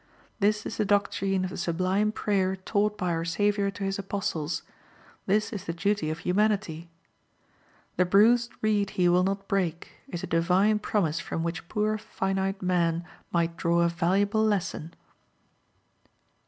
This is the doctrine of the sublime prayer taught by our Savior to his apostles; this is the duty of humanity. "The bruised reed He will not break," is a Divine promise from which poor finite man might draw a valuable lesson.